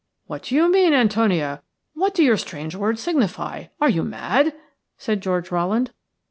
"What do you mean, Antonia? What do your strange words signify? Are you mad?" said George Rowland.